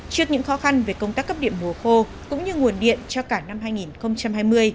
trước những khó khăn về công tác cấp điện mùa khô cũng như nguồn điện cho cả năm hai nghìn hai mươi